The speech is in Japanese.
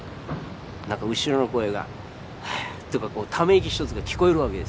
何か後ろの声がはあとかため息一つが聞こえるわけですよ。